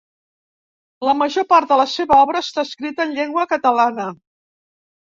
La major part de la seva obra està escrita en llengua catalana.